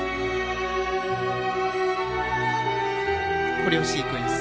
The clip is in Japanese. コレオシークエンス。